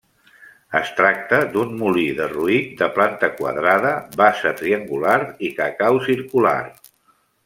Es tracta d'un molí derruït de planta quadrada, bassa triangular i cacau circular.